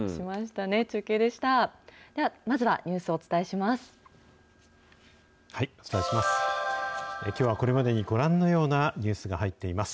まずはニュースをお伝えします。